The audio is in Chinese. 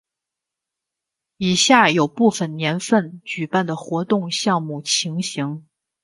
以下有部分年份举办的活动项目情形。